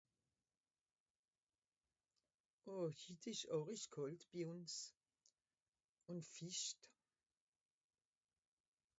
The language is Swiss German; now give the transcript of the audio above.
Oh, Hitt ìsch àrisch kàlt bi ùns. Ùn fischt.